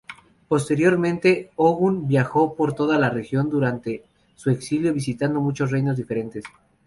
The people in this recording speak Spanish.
Posteriormente Ogun viajó por toda la región durante su exilio visitando muchos reinos diferentes.